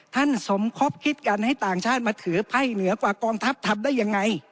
สมคบคิดกันให้ต่างชาติมาถือไพ่เหนือกว่ากองทัพทำได้ยังไง